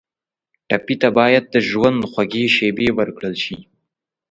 ټپي ته باید د ژوند خوږې شېبې ورکړل شي.